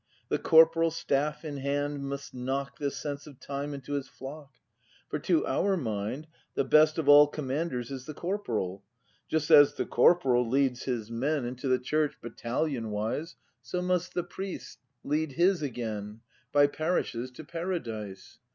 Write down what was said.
The corporal, staff in hand, must knock The sense of Time into his flock; For, to our mind, the best of all Commanders is the corporal. Just as the corporal leads his men 246 BRAND [act v Into the church, battalion wise, So must the priest lead his, again. By parishes to Paradise.